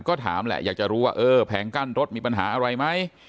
ก็ถามแหละอยากจะรู้ว่าเออแผงกั้นรถมีปัญหาอะไรไหม